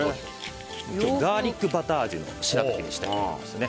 ガーリックバター味のしらたきにしていきますね。